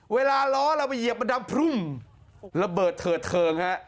เวลาล้อเราไปเหยียบมันดำพรุ่มระเบิดเถิดเทิงฮะ